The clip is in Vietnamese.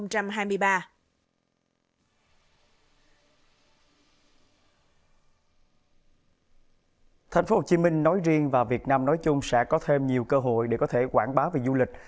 thành phố hồ chí minh nói riêng và việt nam nói chung sẽ có thêm nhiều cơ hội để có thể quảng bá về du lịch